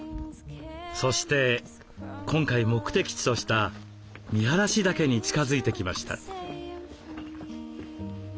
そして今回目的地とした見晴岳に近づいてきました。